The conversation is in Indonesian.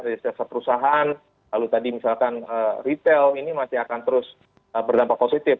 dari perusahaan lalu tadi misalkan retail ini masih akan terus berdampak positif